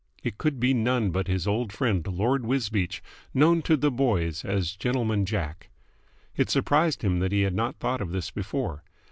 It could be none but his old friend Lord Wisbeach, known to "the boys" as Gentleman Jack. It surprised him that he had not thought of this before.